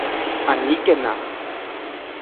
¡Aníkena!